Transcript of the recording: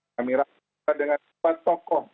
kami rapat dengan sebuah tokoh